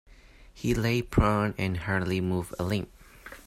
He lay prone and hardly moved a limb.